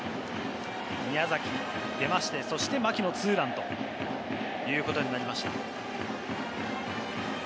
宮崎も出まして、そして牧のツーランということになりました。